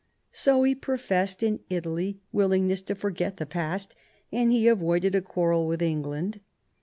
So he professed in Italy willingness to forget the past, and he avoided a quarrel with England.